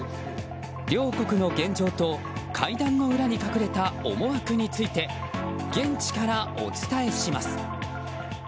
両国の現状と会談の裏に隠れた思惑について現地からお伝えします。